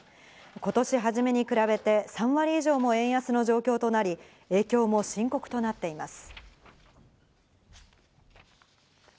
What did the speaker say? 今年初めに比べて３割以上も円安の状況となり、影響も深刻となっています。